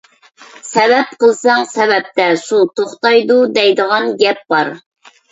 «سەۋەب قىلساڭ سېۋەتتە سۇ توختايدۇ» دەيدىغان گەپ بار.